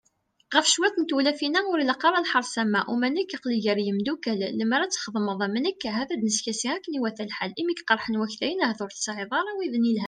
Ɣef cwiṭ n tewlafin-a, ur ilaq ara lḥerṣ am wa, uma nekk aql-i gar yimeddukal, lemmer ad d-txedmeḍ am nekk, ahat ad neskasi akken iwata lḥal, imi k-qerḥen waktayen ahat ur tesɛiḍ ara widen yelhan ?